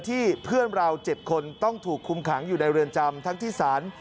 เพื่อนเรา๗คนต้องถูกคุมขังอยู่ในเรือนจำทั้งที่ศาล